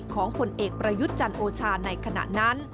ของพลเอกประยุทธ์จันโอชาในขณะนั้น